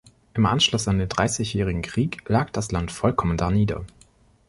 Im Anschluss an den Dreißigjährigen Krieg lag das Land vollkommen darnieder.